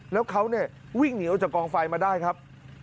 แล้วเขาเนี่ยวิ่งหนีออกจากกองไฟมาได้ครับ